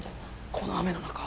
この雨の中？